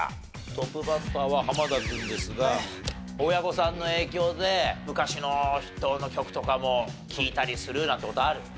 トップバッターは濱田君ですが親御さんの影響で昔の人の曲とかも聴いたりするなんて事ある？